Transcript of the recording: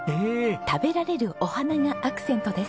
食べられるお花がアクセントですよ。